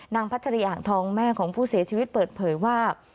พัชรีอ่างทองแม่ของผู้เสียชีวิตเปิดเผยว่า